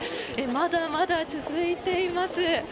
まだまだ続いています。